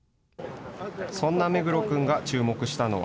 そんな目黒君が注目したのは。